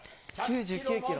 ９９キロ。